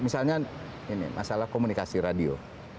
misalnya masalah komunikasi radio